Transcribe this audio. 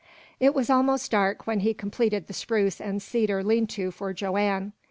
It was almost dark when he completed the spruce and cedar lean to for Joanne.